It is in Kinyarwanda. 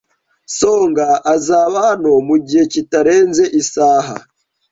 Songa azaba hano mugihe kitarenze isaha.